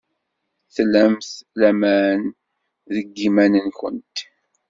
Tlamt laman deg yiman-nwent?